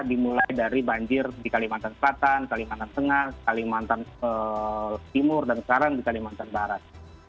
dimulai dari banjir di kalimantan selatan kalimantan tengah kalimantan timur dan sekarang di kalimantan barat